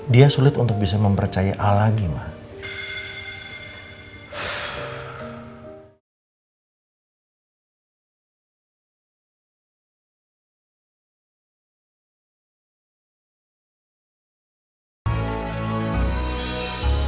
dia sulit untuk bisa mempercaya al lagi mak